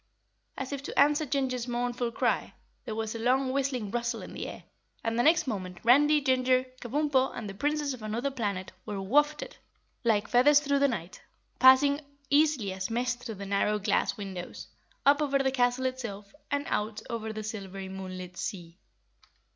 As if to answer Ginger's mournful cry, there was a long whistling rustle in the air, and next moment Randy, Ginger, Kabumpo and the Princess of Anuther Planet were wafted like feathers through the night, passing easily as mist through the narrow glass windows, up over the castle itself and out over the silvery moonlit sea.